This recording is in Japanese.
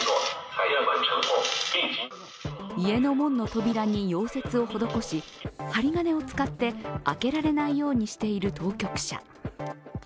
家の門の扉に溶接を施し針金を使って開けられないようにしている当局者。